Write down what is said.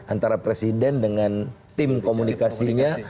antara presiden dengan tim komunikasinya